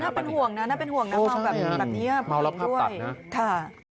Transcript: น่าเป็นห่วงน่ะน่าเป็นห่วงน่ะเอาแบบแบบเนี้ยเอารับภาพตัดนะค่ะ